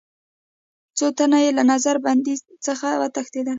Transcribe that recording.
څو تنه یې له نظر بندۍ څخه وتښتېدل.